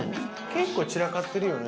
結構散らかってるよね。